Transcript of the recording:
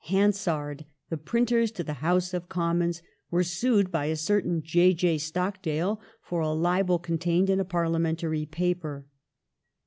Hansard, the printers to the House of Commons, were sued by a certain J. J. Stockdale for a libel contained in a Pai'liamentaiy Paper.